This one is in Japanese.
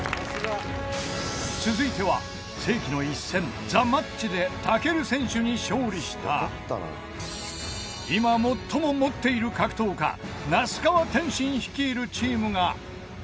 続いては世紀の一戦ＴＨＥＭＡＴＣＨで武尊選手に勝利した今最も持っている格闘家那須川天心率いるチームが。